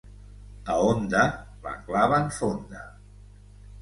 A Onda la claven fonda.